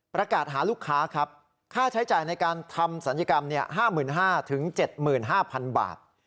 ประกาศหาลูกค้าครับค่าใช้จ่ายในการทำศัลยกรรม๕๕๐๐๗๕๐๐๐บาท